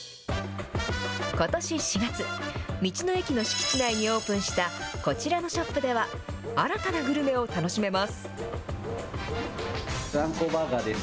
ことし４月、道の駅の敷地内にオープンしたこちらのショップでは、新たなグルメを楽しめます。